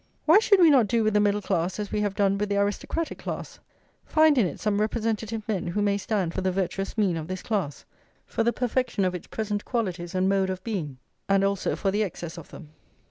Why should we not do with the middle class as we have done with the aristocratic class, find in it some representative men who may stand for the virtuous mean of this class, for the perfection of its present qualities and mode of being, and also for the excess of them.